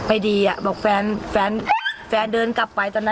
ไอ้ตัวที่เดือนไปด้วยป่ะ